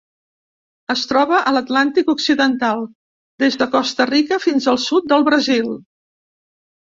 Es troba a l'Atlàntic occidental: des de Costa Rica fins al sud del Brasil.